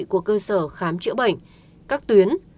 của cơ sở khám chữa bệnh các tuyến